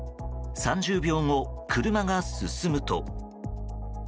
３０秒後、車が進むと。